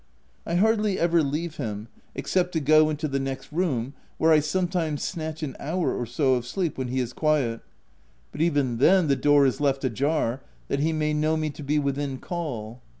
I hardly ever leave him, except to go into the next room, where I sometimes snatch an hour or so of sleep when he is quiet ; but even then, the door is left ajar that he may know me to be within call.